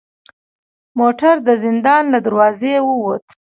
موټر د زندان له دروازې و وت.